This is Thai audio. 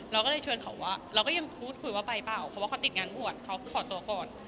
เราก็เลยชวนเขาว่าเราก็ยังพูดคุยว่าไปเปล่าเพราะว่าเขาติดงานบวชเขาขอตัวก่อน